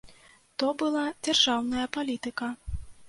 То была дзяржаўная палітыка.